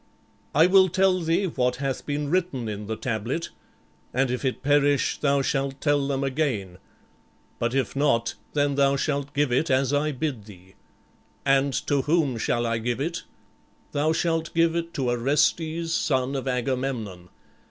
"I will tell thee what hath been written in the tablet; and if it perish, thou shalt tell them again; but if not, then thou shalt give it as I bid thee." "And to whom shall I give it?" "Thou shalt give it to Orestes, son of Agamemnon.